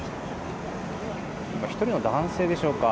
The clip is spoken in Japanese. １人の男性でしょうか。